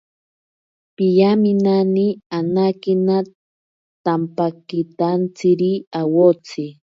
Piyaminani anakina tampatsikatatsiri awotsi.